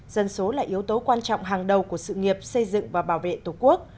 dân số là yếu tố quan trọng hàng đầu của sự nghiệp xây dựng và bảo vệ tổ quốc